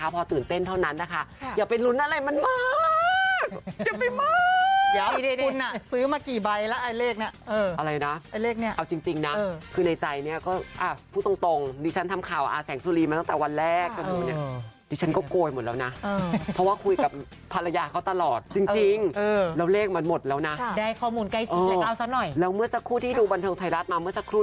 พอตื่นเต้นเท่านั้นเดี๋ยวเป็นรุนเอ้ามันมาก